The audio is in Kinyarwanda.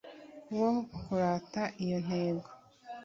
wo kurata iyo ntego